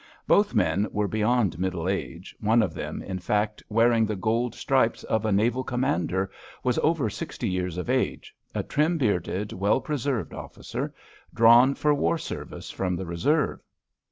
Both men were beyond middle age, one of them, in fact, wearing the gold stripes of a naval commander, was over sixty years of age, a trim bearded, well preserved officer, drawn for war service from the reserve.